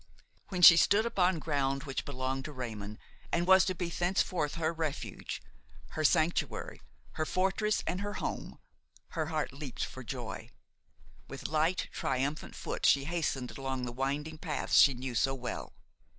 When she stood upon ground which belonged to Raymon and was to be thenceforth her refuge, her sanctuary, her fortress and her home, her heart leaped for joy. With light, triumphant foot she hastened along the winding paths she knew so well.